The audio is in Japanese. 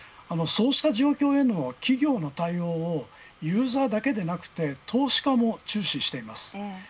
そうした状況への企業の対応をユーザーだけでなくて投資家も注視しています。